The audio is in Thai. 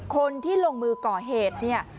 คนที่ลงมือก่อเหตุเนี่ย